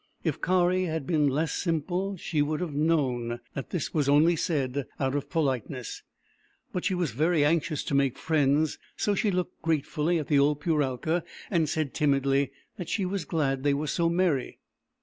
If Kari had been less simple, she would have known that this was only said out of politeness, but she was very anxious to make friends, so she looked gratefully at the old Puralka and said, timidly, that she was glad they were so merry.